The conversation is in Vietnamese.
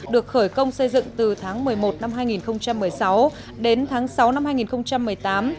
được khởi công xây dựng từ tháng một mươi một năm hai nghìn một mươi sáu đến tháng sáu năm hai nghìn một mươi tám